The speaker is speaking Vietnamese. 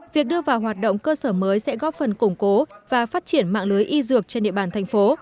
việc đưa vào hoạt động cơ sở mới sẽ góp phần củng cố và phát triển mạng lưới y dược trên địa bàn thành phố